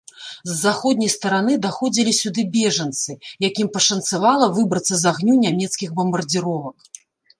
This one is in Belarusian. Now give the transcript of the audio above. З заходняй стараны даходзілі сюды бежанцы, якім пашанцавала выбрацца з агню нямецкіх бамбардзіровак.